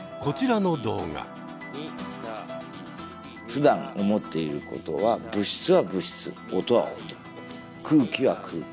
ふだん思っていることは物質は物質音は音空気は空気。